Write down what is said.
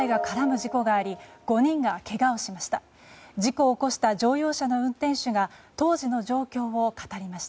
事故を起こした乗用車の運転手が当時の状況を語りました。